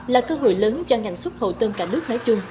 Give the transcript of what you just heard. là cơ hội lớn cho ngành xuất khẩu tôm cả nước nói chung